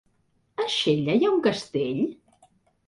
A Xella hi ha un castell?